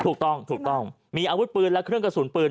ถูกต้องถูกต้องมีอาวุธปืนและเครื่องกระสุนปืน